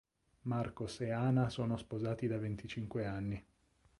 Marcos e Ana sono sposati da venticinque anni.